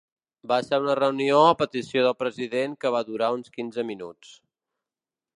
Va ser una reunió a petició del president que va durar uns quinze minuts.